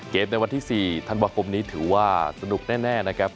ในวันที่๔ธันวาคมนี้ถือว่าสนุกแน่นะครับ